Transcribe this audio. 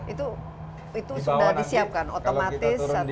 itu sudah disiapkan otomatis